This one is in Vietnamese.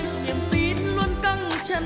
nhìn tít luôn căng trần